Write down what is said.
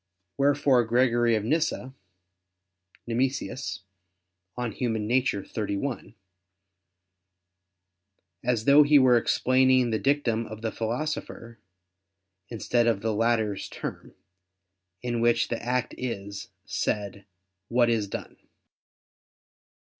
Wherefore Gregory of Nyssa [*Nemesius, De Nat. Hom. xxxi], as though he were explaining the dictum of the Philosopher, instead of the latter's term "in which the act is" said, "what is done."